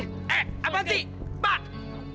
eh apaan sih pak